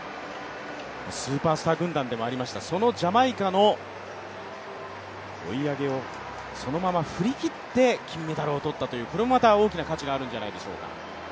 スーパースター軍団でもありました、そのジャマイカの追い上げをそのまま振り切って金メダルを取ったというこれもまた大きな価値があるんじゃないでしょうか。